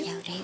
ya udah yuk